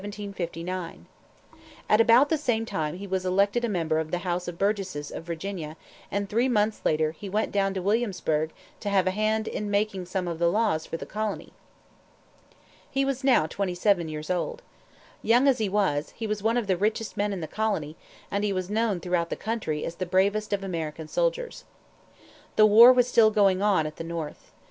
At about the same time he was elected a member of the House of Burgesses of Virginia; and three months later, he went down to Williamsburg to have a hand in making some of the laws for the colony. He was now twenty seven years old. Young as he was, he was one of the richest men in the colony, and he was known throughout the country as the bravest of American soldiers. The war was still going on at the north.